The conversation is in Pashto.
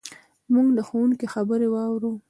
موږ د ښوونکي خبرې واورو.